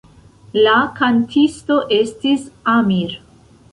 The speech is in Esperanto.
La kantisto estis Amir.